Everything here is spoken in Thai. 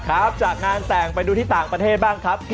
ครับจากงานแต่งไปดูที่ต่างประเทศบ้างครับ